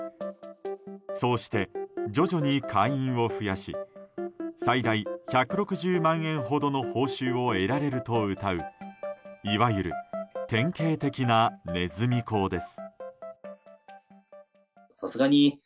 そうして徐々に会員を増やし最大１６０万円ほどの報酬を得られるとうたういわゆる典型的なネズミ講です。